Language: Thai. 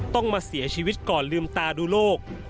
ต้องมาเสียชีวิตก่อนลืมตาดูโลก